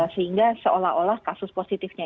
sehingga seolah olah kasus positifnya